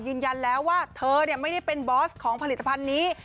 ยืนยันแล้วว่าเธอไม่ได้เป็นบอสของผลิตภัณฑ์นี้